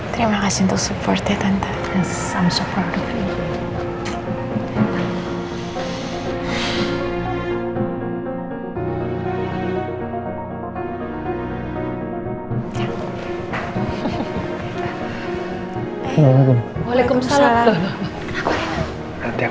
terima kasih untuk supportnya tante